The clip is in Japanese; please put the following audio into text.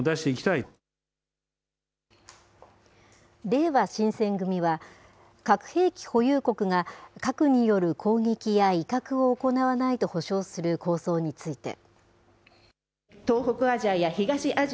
れいわ新選組は、核兵器保有国が核による攻撃や、威嚇を行わないと保障する構想について。